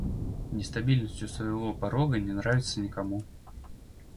Нестабильность у своего порога не нравится никому.